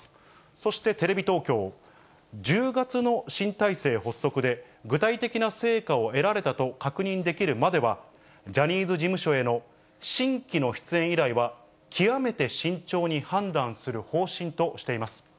そしてテレビ東京、１０月の新体制発足で、具体的な成果を得られたと確認できるまでは、ジャニーズ事務所への新規の出演依頼は、極めて慎重に判断する方針としています。